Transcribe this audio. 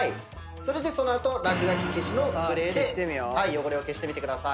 それでその後落書き消しのスプレーで汚れを消してみてください。